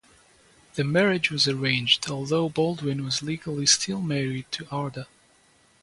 The marriage was arranged, although Baldwin was legally still married to Arda.